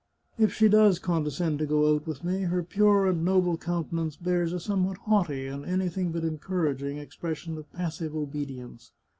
If she does condescend to go out with me, her pure and noble countenance bears a somewhat haughty, and anything but encouraging, expression of passive obedience."